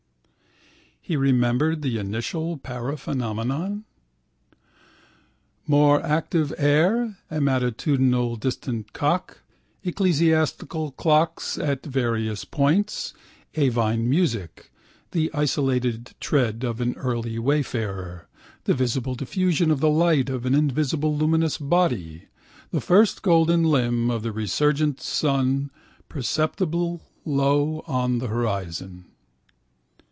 He remembered the initial paraphenomena? More active air, a matutinal distant cock, ecclesiastical clocks at various points, avine music, the isolated tread of an early wayfarer, the visible diffusion of the light of an invisible luminous body, the first golden limb of the resurgent sun perceptible low on the horizon.